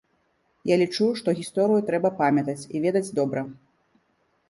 Я лічу, што гісторыю трэба памятаць і ведаць добра.